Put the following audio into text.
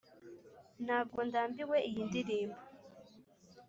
ntabwo ndambiwe iyi ndirimbo.